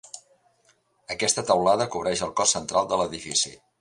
Aquesta teulada cobreix el cos central de l'edifici.